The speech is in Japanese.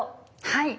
はい。